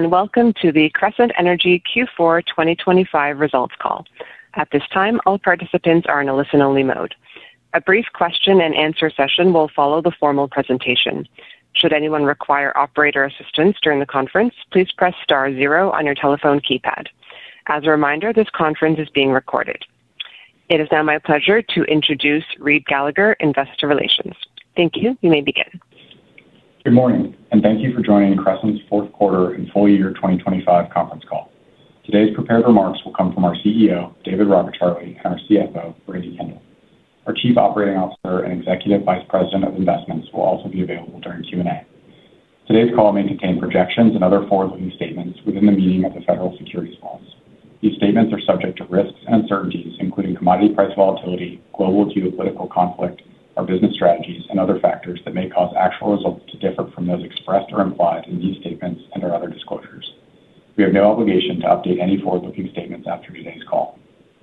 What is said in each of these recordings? Welcome to the Crescent Energy Q4 2025 results call. At this time, all participants are in a listen-only mode. A brief question-and-answer session will follow the formal presentation. Should anyone require operator assistance during the conference, please press star zero on your telephone keypad. As a reminder, this conference is being recorded. It is now my pleasure to introduce Reid Gallagher, Investor Relations. Thank you. You may begin. Good morning, and thank you for joining Crescent's 4th quarter and full year 2025 conference call. Today's prepared remarks will come from our CEO, David Rockecharlie, and our CFO, Brandi Kendall. Our Chief Operating Officer and Executive Vice President of Investments will also be available during Q&A. Today's call may contain projections and other forward-looking statements within the meaning of the Federal Securities laws. These statements are subject to risks and uncertainties, including commodity price volatility, global geopolitical conflict, our business strategies, and other factors that may cause actual results to differ from those expressed or implied in these statements and our other disclosures. We have no obligation to update any forward-looking statements after today's call.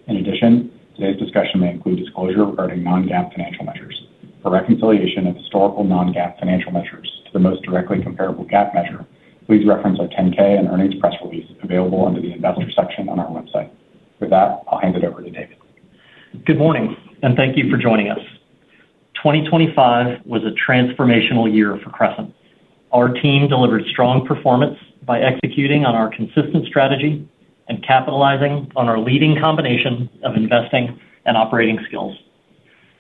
In addition, today's discussion may include disclosure regarding non-GAAP financial measures. For reconciliation of historical non-GAAP financial measures to the most directly comparable GAAP measure, please reference our 10-K and earnings press release available under the Investor section on our website. With that, I'll hand it over to David. Good morning, and thank you for joining us. 2025 was a transformational year for Crescent. Our team delivered strong performance by executing on our consistent strategy and capitalizing on our leading combination of investing and operating skills.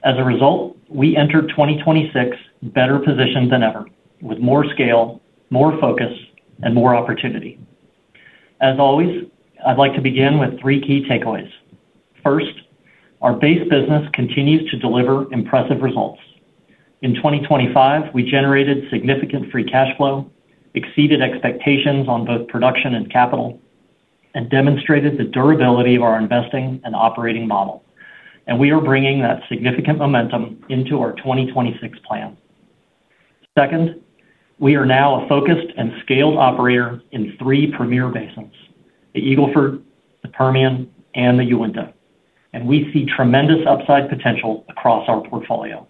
As a result, we entered 2026 better positioned than ever, with more scale, more focus, and more opportunity. As always, I'd like to begin with three key takeaways. First, our base business continues to deliver impressive results. In 2025, we generated significant free cash flow, exceeded expectations on both production and capital, and demonstrated the durability of our investing and operating model. We are bringing that significant momentum into our 2026 plan. Second, we are now a focused and scaled operator in three premier basins: the Eagle Ford, the Permian, and the Uinta. We see tremendous upside potential across our portfolio.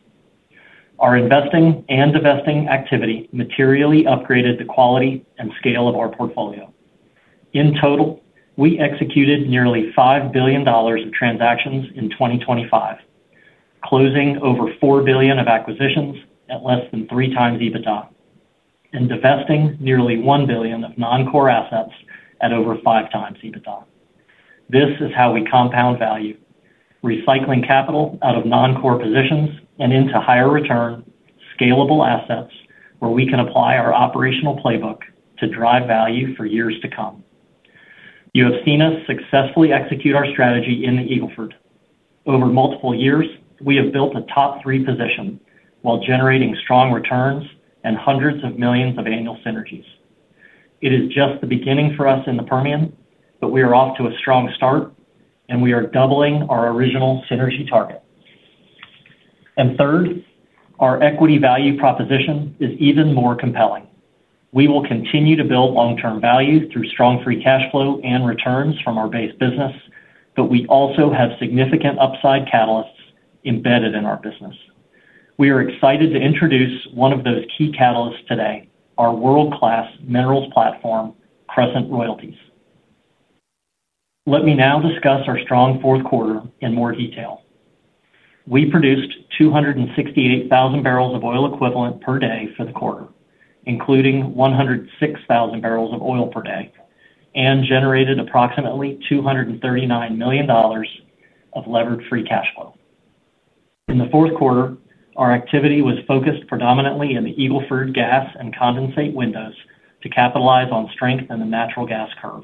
Our investing and divesting activity materially upgraded the quality and scale of our portfolio. In total, we executed nearly $5 billion of transactions in 2025, closing over $4 billion of acquisitions at less than 3x EBITDA and divesting nearly $1 billion of non-core assets at over 5x EBITDA. This is how we compound value, recycling capital out of non-core positions and into higher return, scalable assets, where we can apply our operational playbook to drive value for years to come. You have seen us successfully execute our strategy in the Eagle Ford. Over multiple years, we have built a top three position while generating strong returns and hundreds of millions of annual synergies. It is just the beginning for us in the Permian, but we are off to a strong start, and we are doubling our original synergy target. Third, our equity value proposition is even more compelling. We will continue to build long-term value through strong free cash flow and returns from our base business. We also have significant upside catalysts embedded in our business. We are excited to introduce one of those key catalysts today, our world-class minerals platform, Crescent Royalties. Let me now discuss our strong fourth quarter in more detail. We produced 268,000 barrels of oil equivalent per day for the quarter, including 106,000 barrels of oil per day, and generated approximately $239 million of Levered Free Cash Flow. In the fourth quarter, our activity was focused predominantly in the Eagle Ford gas and condensate windows to capitalize on strength in the natural gas curve.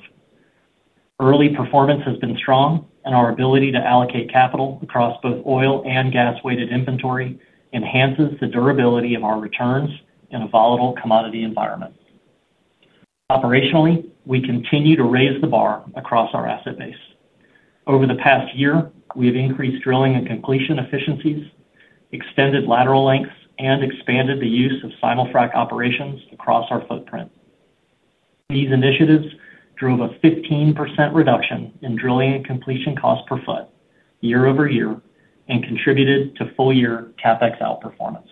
Early performance has been strong, and our ability to allocate capital across both oil and gas-weighted inventory enhances the durability of our returns in a volatile commodity environment. Operationally, we continue to raise the bar across our asset base. Over the past year, we have increased drilling and completion efficiencies, extended lateral lengths, and expanded the use of simulfrac operations across our footprint. These initiatives drove a 15% reduction in drilling and completion cost per foot YoY and contributed to full-year CapEx outperformance.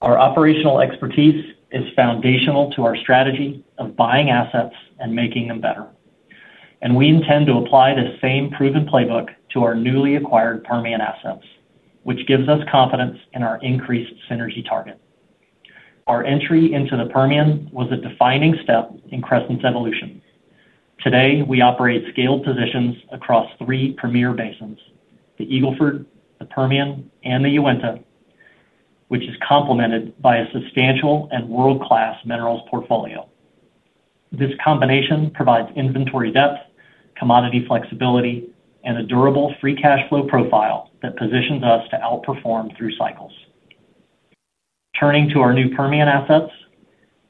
Our operational expertise is foundational to our strategy of buying assets and making them better, and we intend to apply the same proven playbook to our newly acquired Permian assets, which gives us confidence in our increased synergy target. Our entry into the Permian was a defining step in Crescent's evolution. Today, we operate scaled positions across three premier basins: the Eagle Ford, the Permian, and the Uinta, which is complemented by a substantial and world-class minerals portfolio. This combination provides inventory depth, commodity flexibility, and a durable free cash flow profile that positions us to outperform through cycles. Turning to our new Permian assets,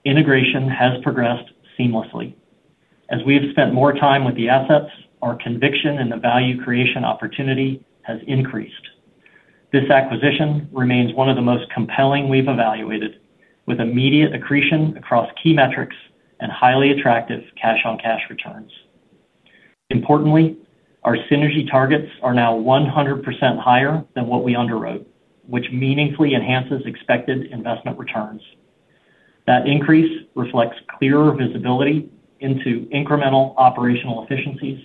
integration has progressed seamlessly. As we have spent more time with the assets, our conviction in the value creation opportunity has increased. This acquisition remains one of the most compelling we've evaluated, with immediate accretion across key metrics and highly attractive cash-on-cash returns. Importantly, our synergy targets are now 100% higher than what we underwrote, which meaningfully enhances expected investment returns. That increase reflects clearer visibility into incremental operational efficiencies,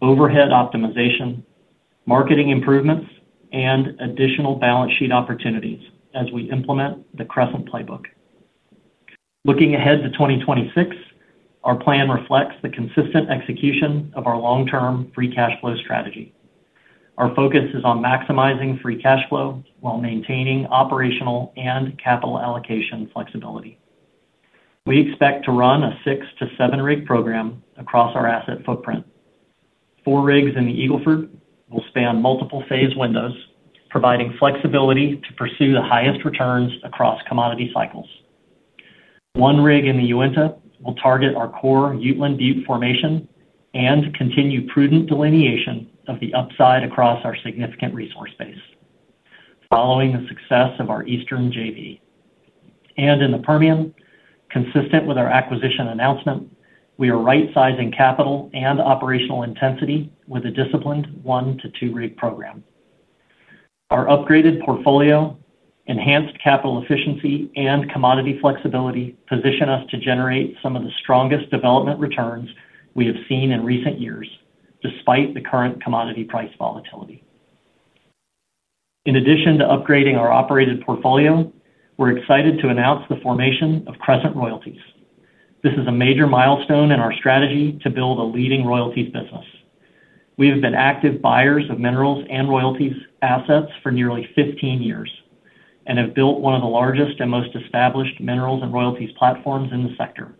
overhead optimization, marketing improvements, and additional balance sheet opportunities as we implement the Crescent playbook. Looking ahead to 2026, our plan reflects the consistent execution of our long-term free cash flow strategy. Our focus is on maximizing free cash flow while maintaining operational and capital allocation flexibility. We expect to run a six-seven rig program across our asset footprint. Four rigs in the Eagle Ford will span multiple phase windows, providing flexibility to pursue the highest returns across commodity cycles. One rig in the Uinta will target our core Uteland Butte formation and continue prudent delineation of the upside across our significant resource base, following the success of our Eastern JV. In the Permian, consistent with our acquisition announcement, we are right-sizing capital and operational intensity with a disciplined one-two rig program. Our upgraded portfolio, enhanced capital efficiency, and commodity flexibility position us to generate some of the strongest development returns we have seen in recent years, despite the current commodity price volatility. In addition to upgrading our operated portfolio, we're excited to announce the formation of Crescent Royalties. This is a major milestone in our strategy to build a leading royalties business. We have been active buyers of minerals and royalties assets for nearly 15 years, and have built one of the largest and most established minerals and royalties platforms in the sector,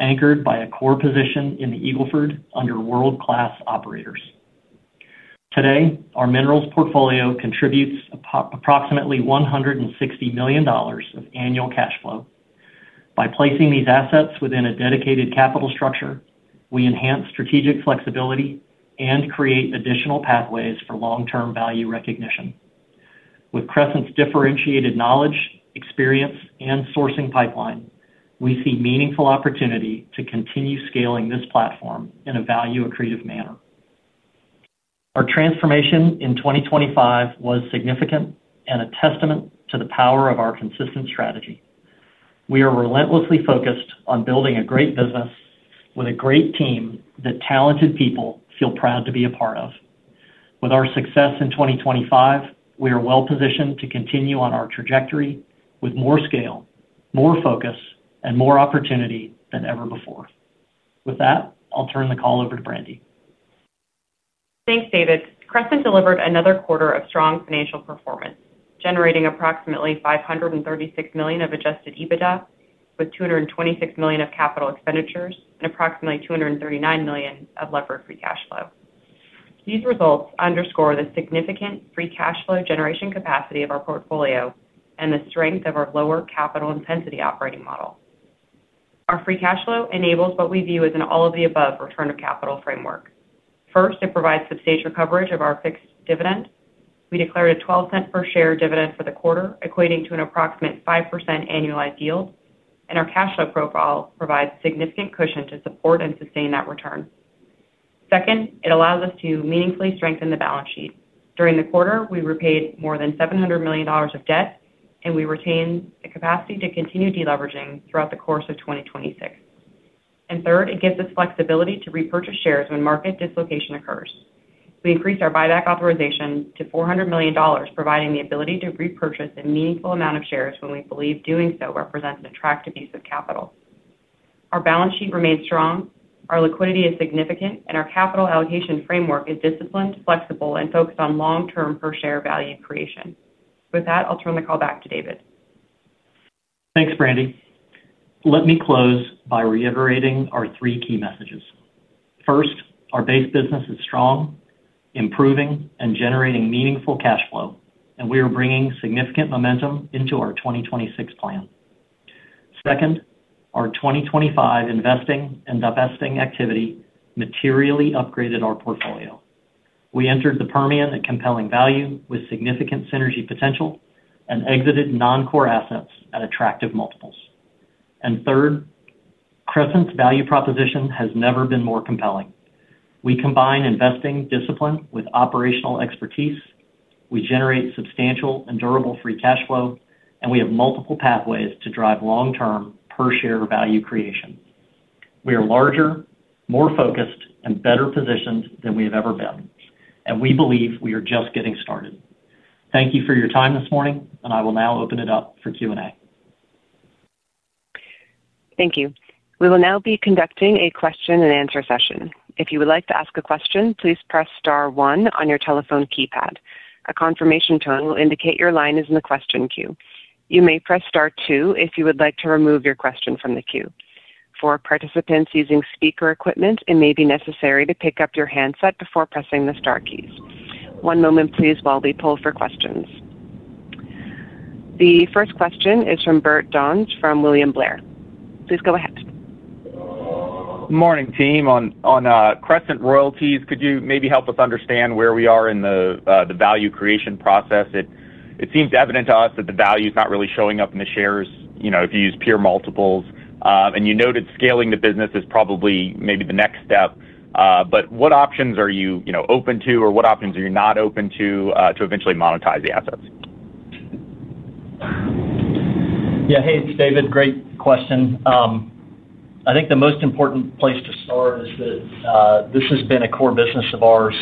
anchored by a core position in the Eagle Ford under world-class operators. Today, our minerals portfolio contributes approximately $160 million of annual cash flow. By placing these assets within a dedicated capital structure, we enhance strategic flexibility and create additional pathways for long-term value recognition. With Crescent's differentiated knowledge, experience, and sourcing pipeline, we see meaningful opportunity to continue scaling this platform in a value-accretive manner. Our transformation in 2025 was significant and a testament to the power of our consistent strategy. We are relentlessly focused on building a great business with a great team that talented people feel proud to be a part of. With our success in 2025, we are well positioned to continue on our trajectory with more scale, more focus, and more opportunity than ever before. With that, I'll turn the call over to Brandi. Thanks, David. Crescent delivered another quarter of strong financial performance, generating approximately $536 million of Adjusted EBITDA, with $226 million of capital expenditures and approximately $239 million of Levered Free Cash Flow. These results underscore the significant free cash flow generation capacity of our portfolio and the strength of our lower capital intensity operating model. Our free cash flow enables what we view as an all-of-the-above return of capital framework. First, it provides substantial coverage of our fixed dividend. We declared a $0.12 per share dividend for the quarter, equating to an approximate 5% annualized yield, and our cash flow profile provides significant cushion to support and sustain that return. Second, it allows us to meaningfully strengthen the balance sheet. During the quarter, we repaid more than $700 million of debt. We retained the capacity to continue deleveraging throughout the course of 2026. Third, it gives us flexibility to repurchase shares when market dislocation occurs. We increased our buyback authorization to $400 million, providing the ability to repurchase a meaningful amount of shares when we believe doing so represents an attractive use of capital. Our balance sheet remains strong, our liquidity is significant, and our capital allocation framework is disciplined, flexible, and focused on long-term per share value creation. With that, I'll turn the call back to David. Thanks, Brandi. Let me close by reiterating our three key messages. First, our base business is strong, improving, and generating meaningful cash flow, and we are bringing significant momentum into our 2026 plan. Second, our 2025 investing and divesting activity materially upgraded our portfolio. We entered the Permian at compelling value with significant synergy potential and exited non-core assets at attractive multiples. Third, Crescent's value proposition has never been more compelling. We combine investing discipline with operational expertise, we generate substantial and durable free cash flow, and we have multiple pathways to drive long-term per share value creation. We are larger, more focused, and better positioned than we have ever been, and we believe we are just getting started. Thank you for your time this morning, and I will now open it up for Q&A. Thank you. We will now be conducting a question-and-answer session. If you would like to ask a question, please press star one on your telephone keypad. A confirmation tone will indicate your line is in the question queue. You may press star two if you would like to remove your question from the queue. For participants using speaker equipment, it may be necessary to pick up your handset before pressing the star keys. One moment please while we poll for questions. The first question is from Bert Donnes from William Blair. Please go ahead. Morning, team. On Crescent Royalties, could you maybe help us understand where we are in the value creation process? It seems evident to us that the value is not really showing up in the shares, you know, if you use peer multiples. You noted scaling the business is probably maybe the next step. What options are you know, open to, or what options are you not open to eventually monetize the assets? Hey, it's David. Great question. I think the most important place to start is that this has been a core business of ours.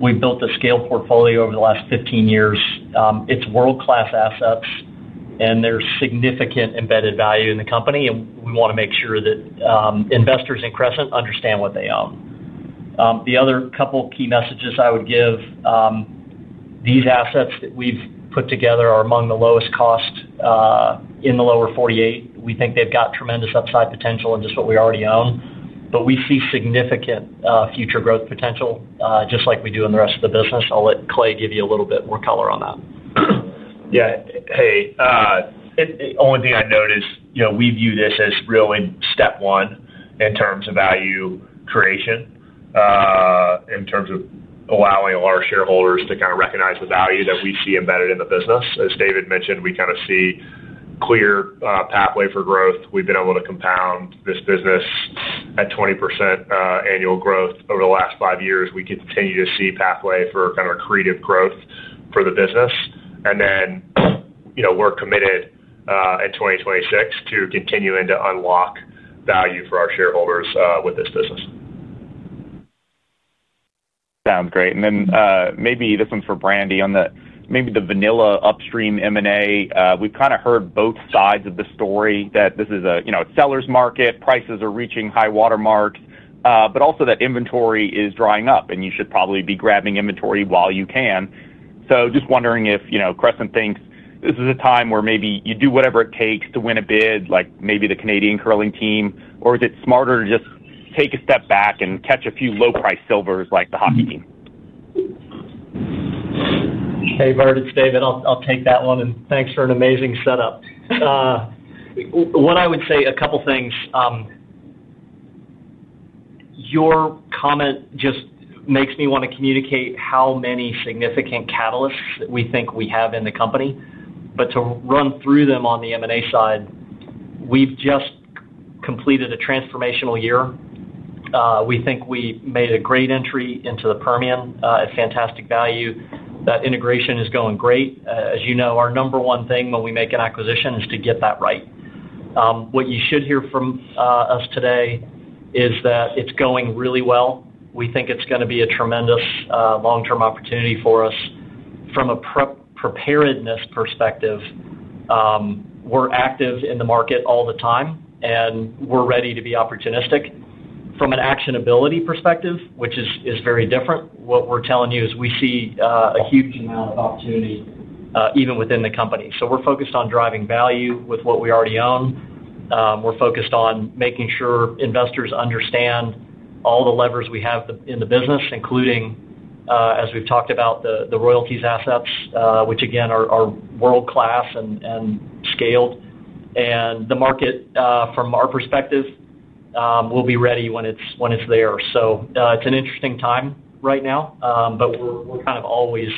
We've built a scale portfolio over the last 15 years. It's world-class assets, and there's significant embedded value in the company, and we wanna make sure that investors in Crescent understand what they own. The other couple key messages I would give, these assets that we've put together are among the lowest cost in the lower 48. We think they've got tremendous upside potential in just what we already own, but we see significant future growth potential just like we do in the rest of the business. I'll let Clay give you a little bit more color on that. Hey, the only thing I'd note is, you know, we view this as really step one in terms of value creation, in terms of allowing our shareholders to kind of recognize the value that we see embedded in the business. As David mentioned, we kind of see clear, pathway for growth. We've been able to compound this business at 20%, annual growth over the last five years. We continue to see pathway for kind of accretive growth for the business. you know, we're committed, in 2026 to continuing to unlock value for our shareholders, with this business. Sounds great. Maybe this one's for Brandi Kendall. On the, maybe the vanilla upstream M&A, we've kind of heard both sides of the story, that this is a, you know, a seller's market. Prices are reaching high water mark, but also that inventory is drying up, and you should probably be grabbing inventory while you can. Just wondering if, you know, Crescent thinks this is a time where maybe you do whatever it takes to win a bid, like maybe the Canadian curling team, or is it smarter to just take a step back and catch a few low-price silvers like the hockey team? Hey, Bert, it's David. I'll take that one, thanks for an amazing setup. What I would say, a couple things. Your comment just makes me wanna communicate how many significant catalysts that we think we have in the company. To run through them on the M&A side, we've just completed a transformational year. We think we made a great entry into the Permian at fantastic value. That integration is going great. As you know, our number one thing when we make an acquisition is to get that right. What you should hear from us today is that it's going really well. We think it's gonna be a tremendous long-term opportunity for us. From a preparedness perspective, we're active in the market all the time, we're ready to be opportunistic. From an actionability perspective, which is very different, what we're telling you is we see a huge amount of opportunity even within the company. We're focused on driving value with what we already own. We're focused on making sure investors understand all the levers we have the, in the business, including as we've talked about, the royalties assets, which again, are world-class and scaled. The market, from our perspective, we'll be ready when it's, when it's there. It's an interesting time right now, but we're kind of always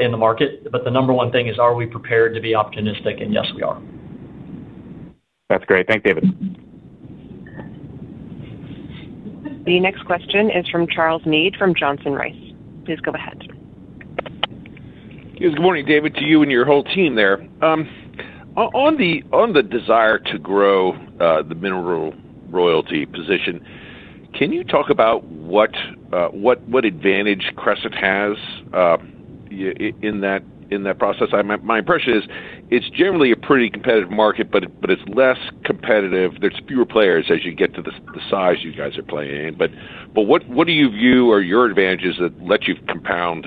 in the market. The number one thing is, are we prepared to be opportunistic? Yes, we are. That's great. Thank you, David. The next question is from Charles Meade from Johnson Rice. Please go ahead. Yes, good morning, David, to you and your whole team there. On the desire to grow the mineral royalty position, can you talk about what advantage Crescent has in that process? My impression is it's generally a pretty competitive market, but it's less competitive. There's fewer players as you get to the size you guys are playing in. What do you view are your advantages that let you compound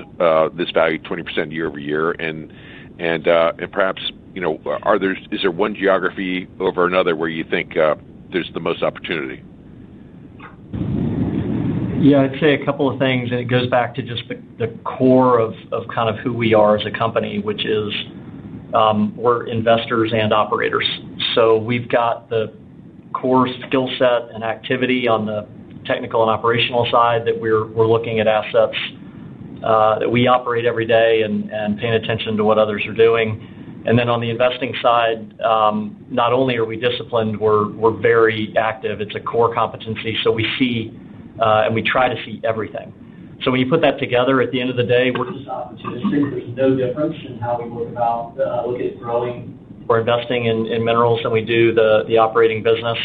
this value 20% YoY? And perhaps, you know, is there one geography over another where you think there's the most opportunity? I'd say a couple of things, and it goes back to just the core of kind of who we are as a company, which is, we're investors and operators. We've got the core skill set and activity on the technical and operational side, that we're looking at assets that we operate every day and paying attention to what others are doing. Then on the investing side, not only are we disciplined, we're very active. It's a core competency, we see and we try to see everything. When you put that together, at the end of the day, we're just opportunistic. There's no difference in how we go about look at growing or investing in minerals than we do the operating business.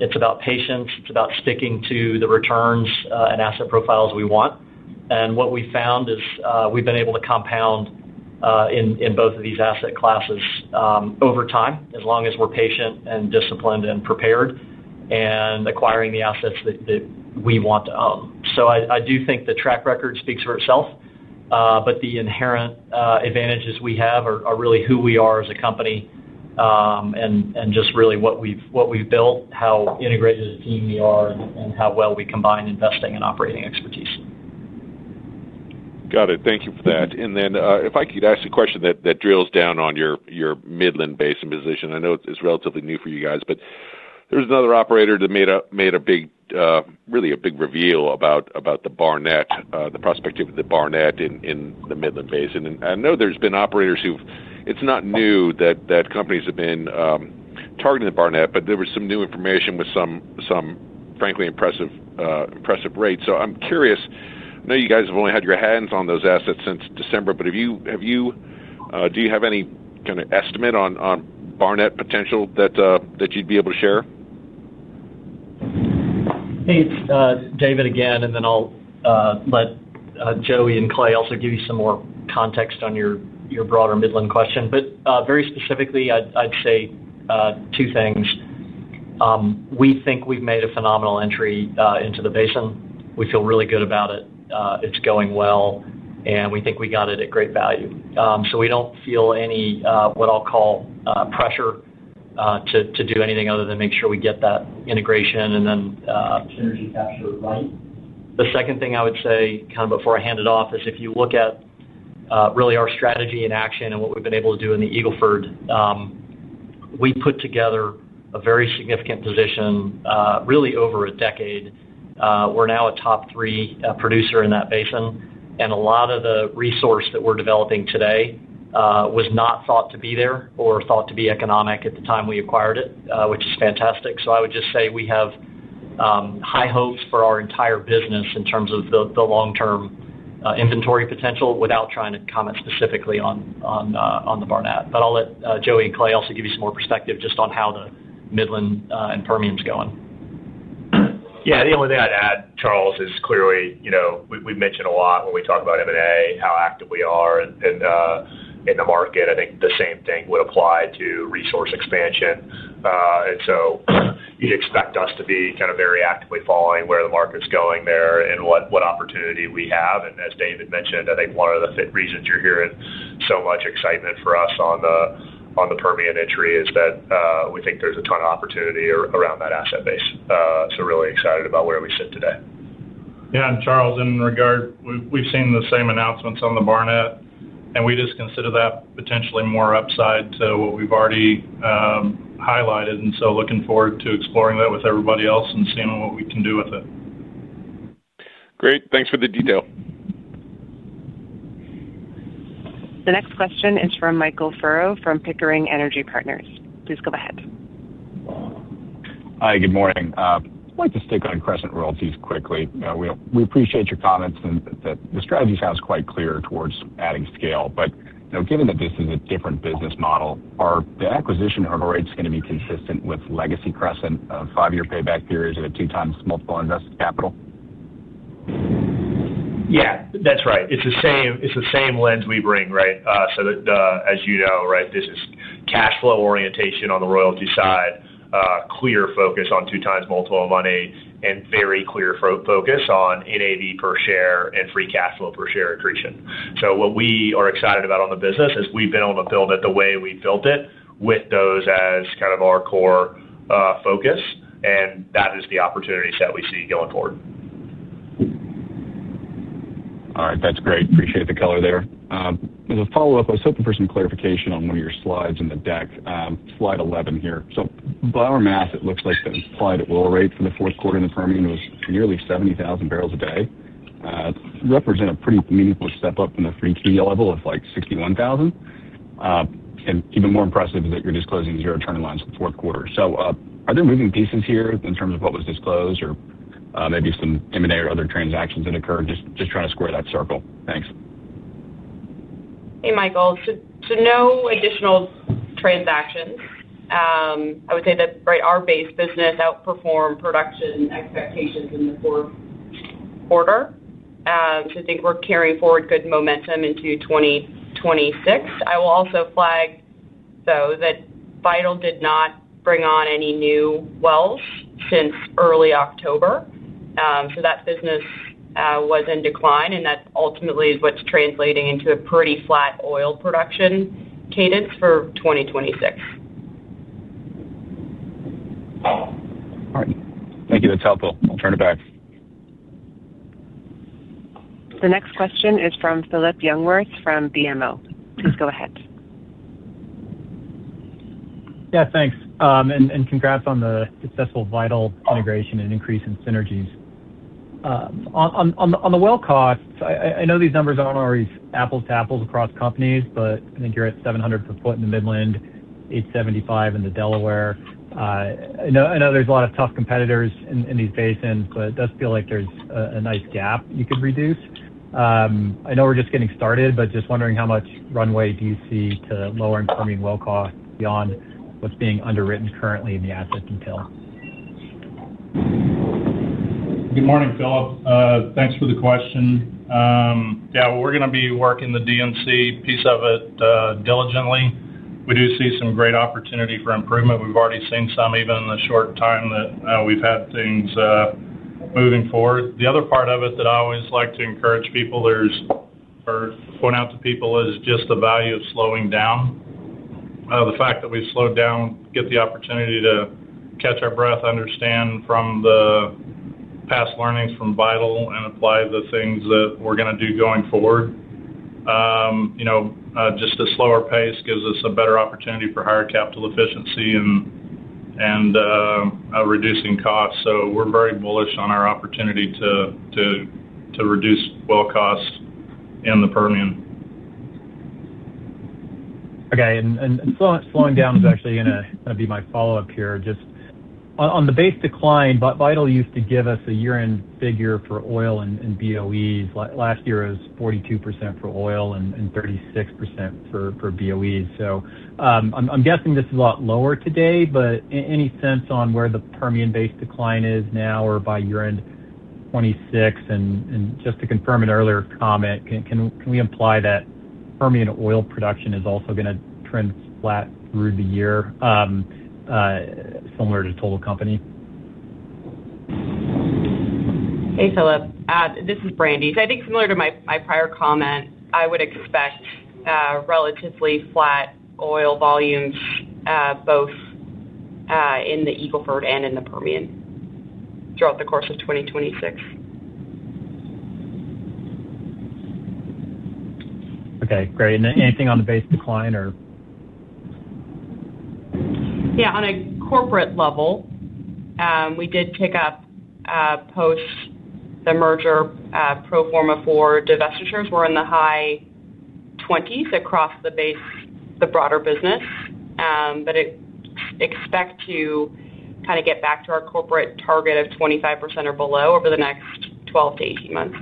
It's about patience, it's about sticking to the returns and asset profiles we want. What we found is, we've been able to compound in both of these asset classes over time, as long as we're patient, disciplined, and prepared, and acquiring the assets that we want to own. I do think the track record speaks for itself, but the inherent advantages we have are really who we are as a company, and just really what we've built, how integrated a team we are, and how well we combine investing and operating expertise. Got it. Thank you for that. Then, if I could ask a question that drills down on your Midland Basin position. I know it's relatively new for you guys, but. There's another operator that made a big, really a big reveal about the Barnett, the prospective of the Barnett in the Midland Basin. I know there's been operators. It's not new that companies have been targeting the Barnett, but there was some new information with some frankly impressive rates. I'm curious, I know you guys have only had your hands on those assets since December, but have you, do you have any kind of estimate on Barnett potential that you'd be able to share? Hey, David again, and then I'll let Joey and Clay also give you some more context on your broader Midland question. Very specifically, I'd say two things. We think we've made a phenomenal entry into the basin. We feel really good about it. It's going well, and we think we got it at great value. We don't feel any what I'll call pressure to do anything other than make sure we get that integration and then. Synergy captured right. The second thing I would say, kind of before I hand it off, is if you look at really our strategy in action and what we've been able to do in the Eagle Ford, we put together a very significant position really over a decade. We're now a top three producer in that basin, and a lot of the resource that we're developing today was not thought to be there or thought to be economic at the time we acquired it, which is fantastic. I would just say we have high hopes for our entire business in terms of the long-term inventory potential without trying to comment specifically on the Barnett. I'll let Joey and Clay also give you some more perspective just on how the Midland and Permian is going. Yeah, the only thing I'd add, Charles, is clearly, you know, we've mentioned a lot when we talk about M&A, how active we are in the market. I think the same thing would apply to resource expansion. You'd expect us to be kind of very actively following where the market's going there and what opportunity we have. As David mentioned, I think one of the fit reasons you're hearing so much excitement for us on the Permian entry is that we think there's a ton of opportunity around that asset base. Really excited about where we sit today. Charles, in regard, we've seen the same announcements on the Barnett, and we just consider that potentially more upside to what we've already, highlighted, and so looking forward to exploring that with everybody else and seeing what we can do with it. Great. Thanks for the detail. The next question is from Michael Furrow, from Pickering Energy Partners. Please go ahead. Hi, good morning. I'd like to stick on Crescent Royalties quickly. We appreciate your comments, and the strategy sounds quite clear towards adding scale. You know, given that this is a different business model, are the acquisition hurdle rates going to be consistent with legacy Crescent, five-year payback periods and a 2x multiple on invested capital? Yeah, that's right. It's the same, it's the same lens we bring, right? The, as you know, right, this is cash flow orientation on the royalty side, clear focus on two times multiple of money, and very clear focus on NAV per share and free cash flow per share accretion. What we are excited about on the business is we've been able to build it the way we built it with those as kind of our core focus, and that is the opportunities that we see going forward. All right. That's great. Appreciate the color there. As a follow-up, I was hoping for some clarification on one of your slides in the deck, slide 11 here. By our math, it looks like the implied oil rate for the 4th quarter in the Permian was nearly 70,000 barrels a day. Represent a pretty meaningful step up from the 3Q level of, like, 61,000. Even more impressive is that you're disclosing zero turning lines for the 4th quarter. Are there moving pieces here in terms of what was disclosed, or maybe some M&A or other transactions that occurred? Just trying to square that circle. Thanks. Hey, Michael. No additional transactions. I would say that, right, our base business outperformed production expectations in the fourth quarter. I think we're carrying forward good momentum into 2026. I will also flag, though, that Vital did not bring on any new wells since early October. That business was in decline, and that ultimately is what's translating into a pretty flat oil production cadence for 2026. All right. Thank you. That's helpful. I'll turn it back. The next question is from Phillip Jungwirth, from BMO. Please go ahead. Yeah, thanks. Congrats on the successful Vital integration and increase in synergies. On the well costs, I know these numbers aren't always apples to apples across companies, I think you're at 700 per foot in the Midland, 875 in the Delaware. I know there's a lot of tough competitors in these basins, it does feel like there's a nice gap you could reduce. I know we're just getting started, just wondering how much runway do you see to lowering Permian well cost beyond what's being underwritten currently in the asset intel? Good morning, Philip. Thanks for the question. Yeah, we're going to be working the DMC piece of it diligently. We do see some great opportunity for improvement. We've already seen some, even in the short time that we've had things moving forward. The other part of it that I always like to encourage people, or point out to people, is just the value of slowing down. The fact that we've slowed down, get the opportunity to catch our breath, understand from the past learnings from Vital and apply the things that we're going to do going forward. You know, just a slower pace gives us a better opportunity for higher capital efficiency and reducing costs. We're very bullish on our opportunity to reduce well costs in the Permian. Okay. slowing down is actually gonna be my follow-up here. Just on the base decline, Vital used to give us a year-end figure for oil and BOEs. last year, it was 42% for oil and 36% for BOEs. I'm guessing this is a lot lower today, but any sense on where the Permian base decline is now or by year-end 2026? Just to confirm an earlier comment, can we imply that Permian oil production is also gonna trend flat through the year, similar to total company? Hey, Philip, this is Brandi. I think similar to my prior comment, I would expect relatively flat oil volumes, both in the Eagle Ford and in the Permian throughout the course of 2026. Okay, great. Anything on the base decline or? Yeah, on a corporate level, we did pick up, post the merger, pro forma for divestitures. We're in the high twenties across the base, the broader business. expect to kinda get back to our corporate target of 25% or below over the next 12 to 18 months.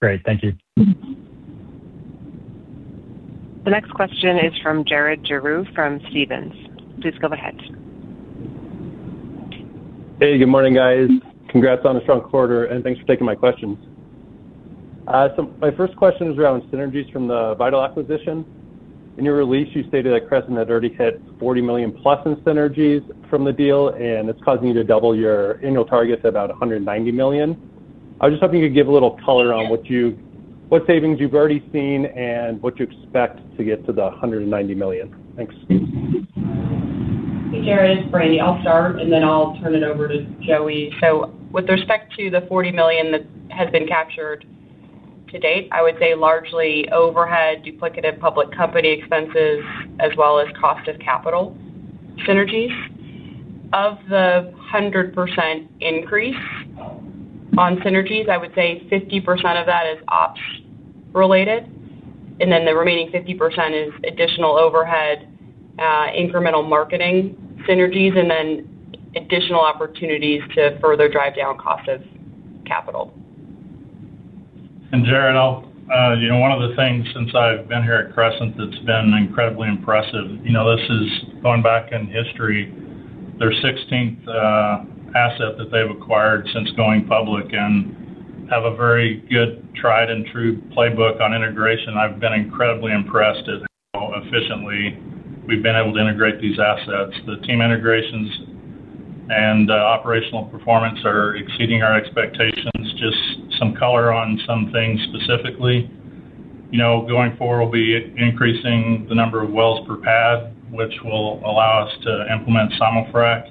Great. Thank you. The next question is from Jarrod Giroue from Stephens. Please go ahead. Hey, good morning, guys. Congrats on a strong quarter. Thanks for taking my questions. My first question is around synergies from the Vital acquisition. In your release, you stated that Crescent had already hit $40 million+ in synergies from the deal, and it's causing you to double your annual targets at about $190 million. I was just hoping you could give a little color on what savings you've already seen and what you expect to get to the $190 million. Thanks. Hey, Jarrod, it's Brandi. I'll start, and then I'll turn it over to Joey. With respect to the $40 million that has been captured to date, I would say largely overhead, duplicative public company expenses, as well as cost of capital synergies. Of the 100% increase on synergies, I would say 50% of that is ops related, and then the remaining 50% is additional overhead, incremental marketing synergies, and then additional opportunities to further drive down cost of capital. Jared, I'll You know, one of the things since I've been here at Crescent that's been incredibly impressive, you know, this is going back in history, their 16th asset that they've acquired since going public and have a very good tried-and-true playbook on integration. I've been incredibly impressed at how efficiently we've been able to integrate these assets. The team integrations and operational performance are exceeding our expectations. Just some color on some things specifically. You know, going forward, we'll be increasing the number of wells per pad, which will allow us to implement simulfrac.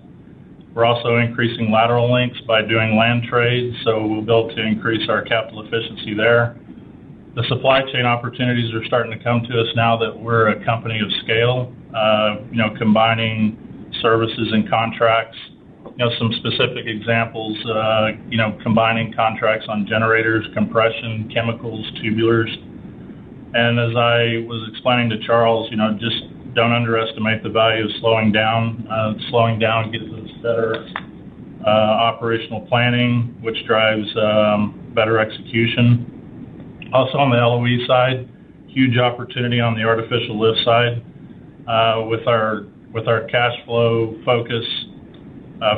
We're also increasing lateral lengths by doing land trades, so we'll be able to increase our capital efficiency there. The supply chain opportunities are starting to come to us now that we're a company of scale, you know, combining services and contracts. You know, some specific examples, you know, combining contracts on generators, compression, chemicals, tubulars. As I was explaining to Charles, you know, just don't underestimate the value of slowing down. Slowing down gives us better operational planning, which drives better execution. Also, on the LOE side, huge opportunity on the artificial lift side, with our cash flow focus,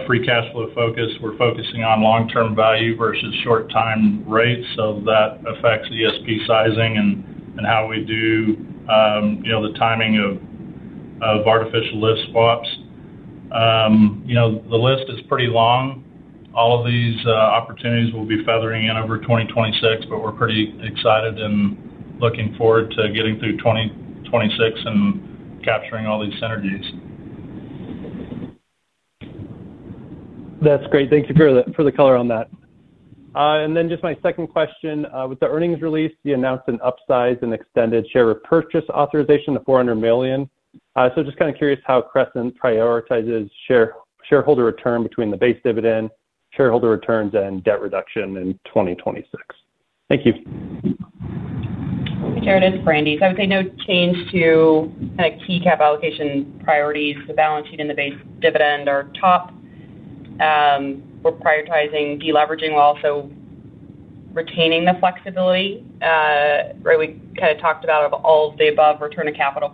free cash flow focus. We're focusing on long-term value versus short time rates, so that affects ESP sizing and how we do, you know, the timing of artificial lift swaps. You know, the list is pretty long. All of these opportunities will be feathering in over 2026, but we're pretty excited and looking forward to getting through 2026 and capturing all these synergies. That's great. Thank you for the, for the color on that. Just my second question, with the earnings release, you announced an upsize and extended share repurchase authorization to $400 million. Just kinda curious how Crescent prioritizes shareholder return between the base dividend, shareholder returns, and debt reduction in 2026. Thank you. Hey, Jarrod, it's Brandi. I would say no change to kinda key cap allocation priorities. The balance sheet and the base dividend are top. We're prioritizing deleveraging while also retaining the flexibility. Where we kinda talked about of all the above return of capital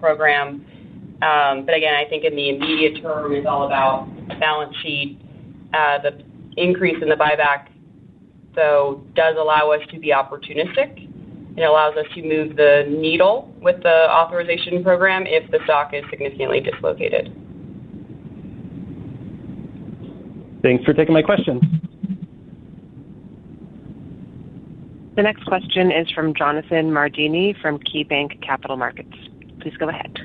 program. Again, I think in the immediate term, it's all about balance sheet. The increase in the buyback, so does allow us to be opportunistic. It allows us to move the needle with the authorization program if the stock is significantly dislocated. Thanks for taking my questions. The next question is from Jonathan Mardini from KeyBanc Capital Markets. Please go ahead.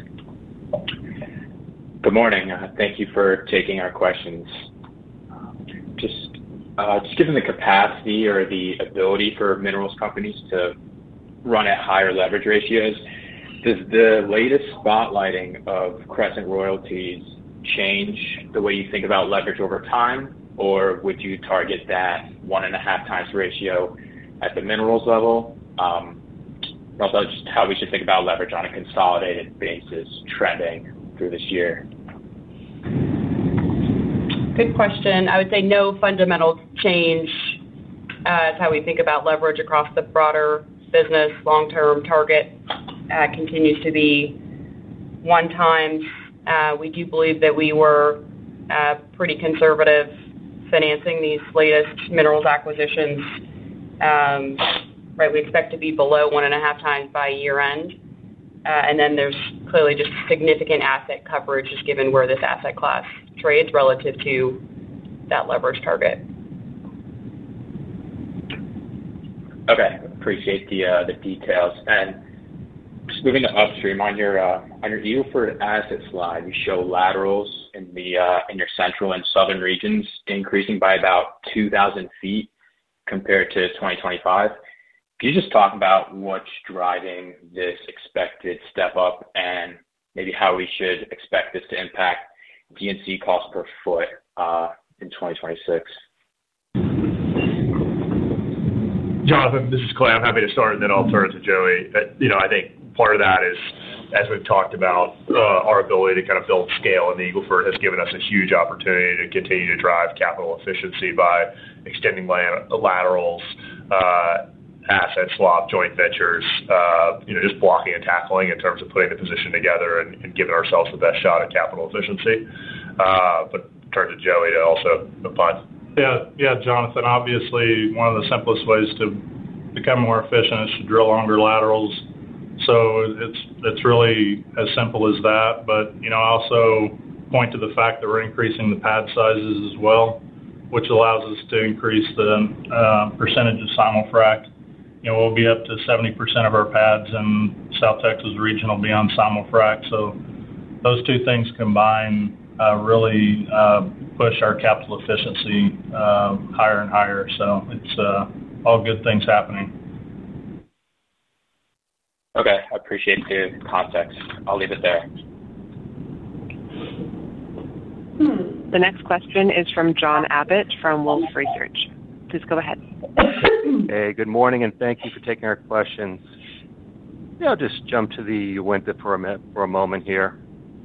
Good morning. Thank you for taking our questions. Just given the capacity or the ability for minerals companies to run at higher leverage ratios, does the latest spotlighting of Crescent Royalties change the way you think about leverage over time, or would you target that 1.5x ratio at the minerals level? Also, just how we should think about leverage on a consolidated basis trending through this year? Good question. I would say no fundamental change to how we think about leverage across the broader business. Long-term target continues to be one time. We do believe that we were pretty conservative financing these latest minerals acquisitions. Right, we expect to be below 1.5 times by year-end. There's clearly just significant asset coverage, just given where this asset class trades relative to that leverage target. Okay. Appreciate the details. Just moving to upstream, on your Eagle Ford asset slide, you show laterals in your central and southern regions increasing by about 2,000 feet compared to 2025. Can you just talk about what's driving this expected step up and maybe how we should expect this to impact D&C cost per foot in 2026? Jonathan, this is Clay. I'm happy to start, and then I'll turn it to Joey. You know, I think part of that is, as we've talked about, our ability to kind of build scale in the Eagle Ford has given us a huge opportunity to continue to drive capital efficiency by extending laterals, asset swap, joint ventures, you know, just blocking and tackling in terms of putting the position together and giving ourselves the best shot at capital efficiency. Turn to Joey to also opine. Yeah. Yeah, Jonathan, obviously, one of the simplest ways to become more efficient is to drill longer laterals. It's really as simple as that. You know, I also point to the fact that we're increasing the pad sizes as well, which allows us to increase the percentage of simulfrac. You know, we'll be up to 70% of our pads in South Texas region will be on simulfrac. Those two things combined really push our capital efficiency higher and higher. It's all good things happening. Okay. I appreciate the context. I'll leave it there. The next question is from John Abbott, from Wolfe Research. Please go ahead. Hey, good morning, thank you for taking our questions. Yeah, I'll just jump to the Uinta permit for a moment here.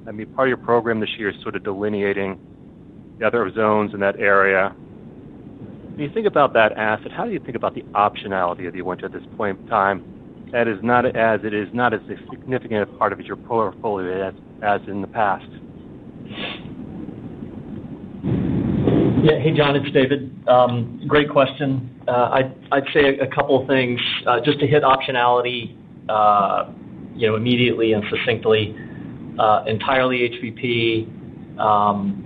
I mean, part of your program this year is sort of delineating the other zones in that area. When you think about that asset, how do you think about the optionality of the Uinta at this point in time, that is not as a significant part of your portfolio as in the past? Yeah. Hey, John, it's David. Great question. I'd say a couple of things, just to hit optionality, you know, immediately and succinctly, entirely HVP,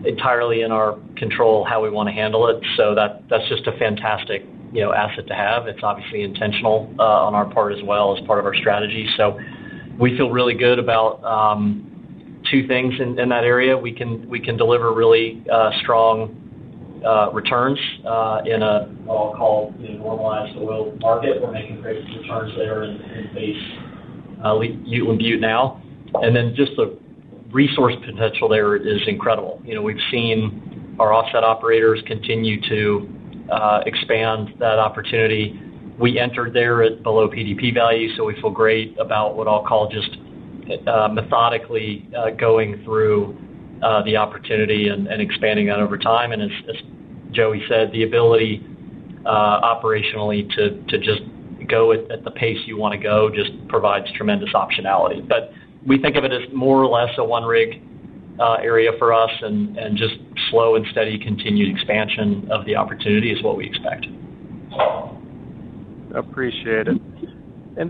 entirely in our control, how we want to handle it. That's just a fantastic, you know, asset to have. It's obviously intentional, on our part as well as part of our strategy. We feel really good about two things in that area. We can deliver really strong returns, in a, what I'll call, in a normalized oil market. We're making great returns there in base Butte now, just the resource potential there is incredible. You know, we've seen our offset operators continue to expand that opportunity. We entered there at below PDP value, we feel great about what I'll call just, methodically, going through, the opportunity and expanding that over time. As Joey said, the ability, operationally to just go at the pace you want to go just provides tremendous optionality. We think of it as more or less a one rig, area for us, and just slow and steady, continued expansion of the opportunity is what we expect. Appreciate it.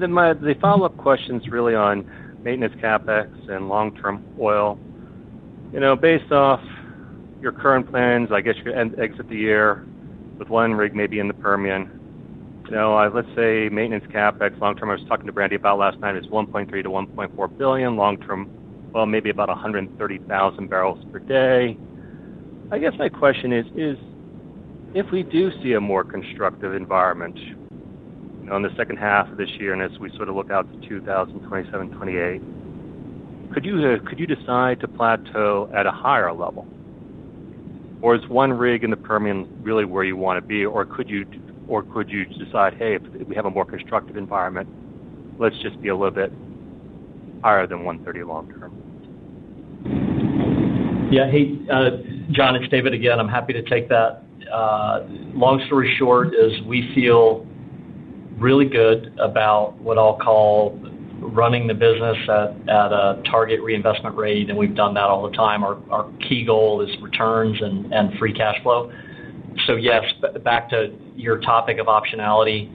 My follow-up question is really on maintenance, CapEx, and long-term oil. You know, based off your current plans, I guess you exit the year with one rig, maybe in the Permian. You know, let's say maintenance, CapEx, long term, I was talking to Brandi Kendall about last night, is $1.3-$1.4 billion long term. Well, maybe about 130,000 barrels per day. I guess my question is if we do see a more constructive environment on the second half of this year, as we sort of look out to 2027, 2028, could you decide to plateau at a higher level? Is one rig in the Permian really where you want to be, or could you decide, hey, if we have a more constructive environment, let's just be a little bit higher than 130 long-term? Yeah. Hey, John, it's David again. I'm happy to take that. Long story short, is we feel really good about what I'll call running the business at a target reinvestment rate, and we've done that all the time. Our key goal is returns and free cash flow. Yes, back to your topic of optionality.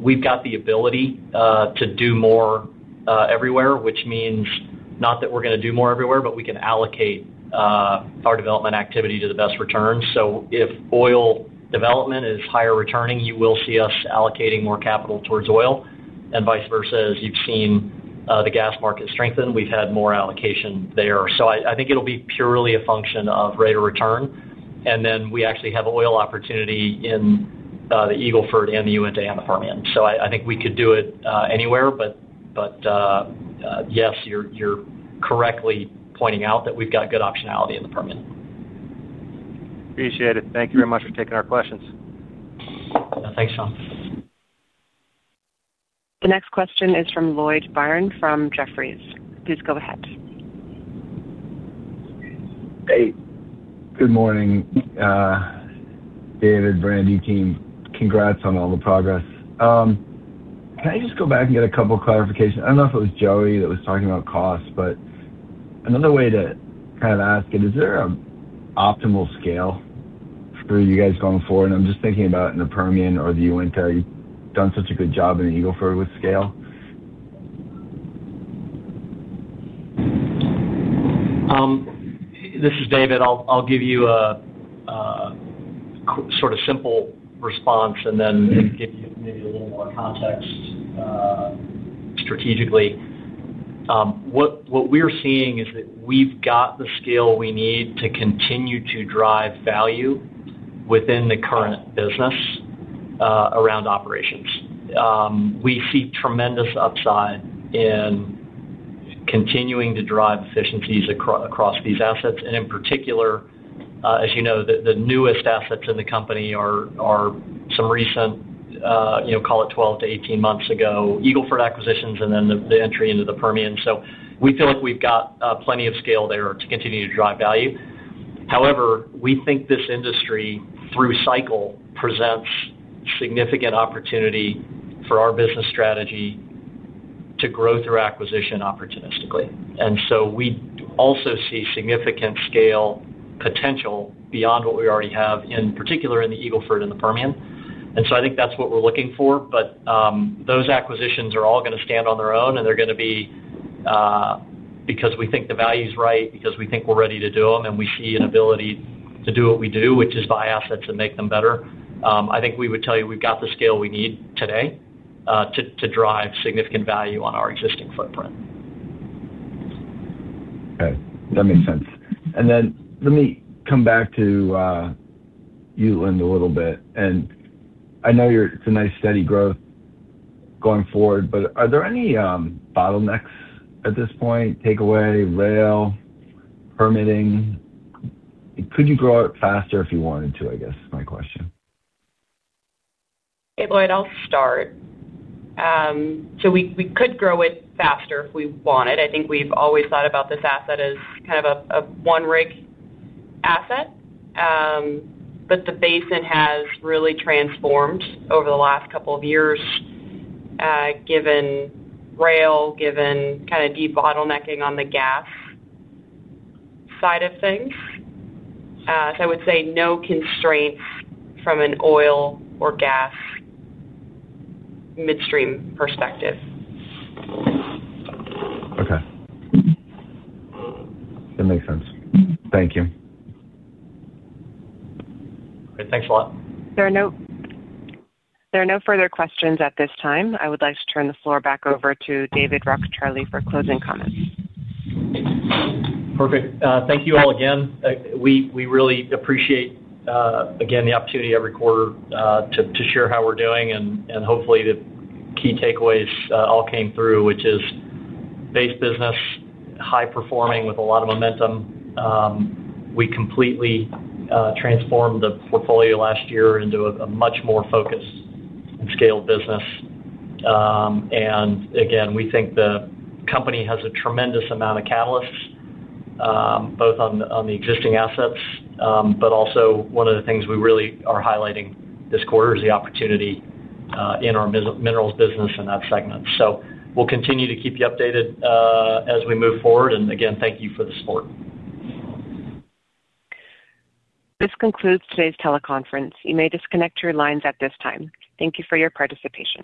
We've got the ability to do more everywhere, which means- Not that we're gonna do more everywhere, but we can allocate our development activity to the best return. If oil development is higher returning, you will see us allocating more capital towards oil and vice versa. As you've seen, the gas market strengthen, we've had more allocation there. I think it'll be purely a function of rate of return. We actually have oil opportunity in the Eagle Ford and the Uinta and the Permian. I think we could do it anywhere. But yes, you're correctly pointing out that we've got good optionality in the Permian. Appreciate it. Thank you very much for taking our questions. Yeah, thanks, John. The next question is from Lloyd Byrne from Jefferies. Please go ahead. Hey, good morning, David, Brandi, team. Congrats on all the progress. Can I just go back and get a couple clarification? I don't know if it was Joey that was talking about cost, but another way to kind of ask it, is there an optimal scale for you guys going forward? I'm just thinking about in the Permian or the Uinta. You've done such a good job in the Eagle Ford with scale. This is David. I'll give you a sort of simple response and then give you maybe a little more context strategically. What we're seeing is that we've got the scale we need to continue to drive value within the current business around operations. We see tremendous upside in continuing to drive efficiencies across these assets. In particular, as you know, the newest assets in the company are some recent, you know, call it 12 to 18 months ago, Eagle Ford acquisitions, and then the entry into the Permian. We feel like we've got plenty of scale there to continue to drive value. We think this industry, through cycle, presents significant opportunity for our business strategy to grow through acquisition opportunistically. We also see significant scale potential beyond what we already have, in particular in the Eagle Ford and the Permian. I think that's what we're looking for. Those acquisitions are all gonna stand on their own, and they're gonna be because we think the value is right, because we think we're ready to do them, and we see an ability to do what we do, which is buy assets and make them better. I think we would tell you, we've got the scale we need today, to drive significant value on our existing footprint. Okay, that makes sense. Then let me come back to you in a little bit, and I know it's a nice, steady growth going forward, but are there any bottlenecks at this point: takeaway, rail, permitting? Could you grow it faster if you wanted to? I guess is my question. Hey, Lloyd, I'll start. We could grow it faster if we wanted. I think we've always thought about this asset as kind of a one-rig asset. The basin has really transformed over the last couple of years, given rail, given kinda de-bottlenecking on the gas side of things. I would say no constraints from an oil or gas midstream perspective. Okay. That makes sense. Thank you. Thanks a lot. There are no further questions at this time. I would like to turn the floor back over to David Rockecharlie for closing comments. Perfect. Thank you all again. We really appreciate again, the opportunity every quarter to share how we're doing, and hopefully, the key takeaways all came through, which is base business, high performing with a lot of momentum. We completely transformed the portfolio last year into a much more focused and scaled business. Again, we think the company has a tremendous amount of catalysts, both on the existing assets, but also one of the things we really are highlighting this quarter is the opportunity in our minerals business in that segment. We'll continue to keep you updated as we move forward. Again, thank you for the support. This concludes today's teleconference. You may disconnect your lines at this time. Thank you for your participation.